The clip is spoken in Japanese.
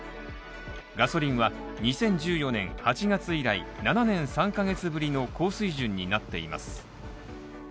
ガソリンは２０１４年８月以来、７年３ヶ月ぶりの高水準になっています。